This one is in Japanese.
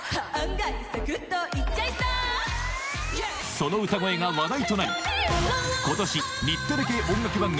その歌声が話題となり今年日テレ系音楽番組